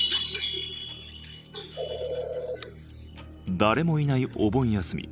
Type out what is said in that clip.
だれもいないお盆休み。